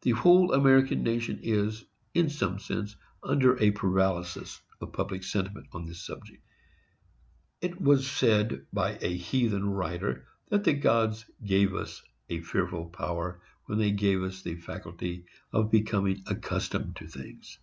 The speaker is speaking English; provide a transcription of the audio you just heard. The whole American nation is, in some sense, under a paralysis of public sentiment on this subject. It was said by a heathen writer that the gods gave us a fearful power when they gave us the faculty of becoming accustomed to things.